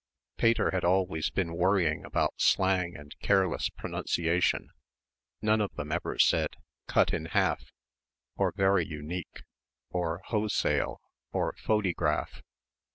Pater had always been worrying about slang and careless pronunciation. None of them ever said "cut in half" or "very unique" or "ho'sale" or "phodygraff."